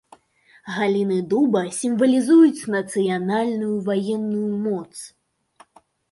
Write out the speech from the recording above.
Галіны дуба сімвалізуюць нацыянальную ваенную моц.